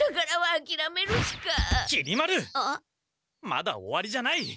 まだ終わりじゃない！